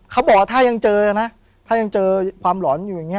เขาบอกว่าถ้ายังเจอนะถ้ายังเจอความหลอนอยู่อย่างนี้